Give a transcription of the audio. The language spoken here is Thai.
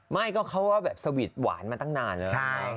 ไม่ก็เขาว่าแบบสวีทหวานมาตั้งนานแล้ว